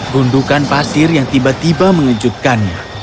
gundukan pasir yang tiba tiba mengejutkannya